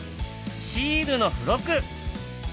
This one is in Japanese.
シールの付録！